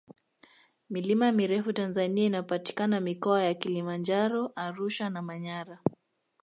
milima mirefu tanzania inapatikana mikoa ya kilimanjaro arusha na manyara